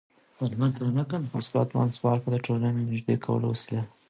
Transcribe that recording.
مثبت منځپانګه د ټولنې نږدې کولو وسیله ده.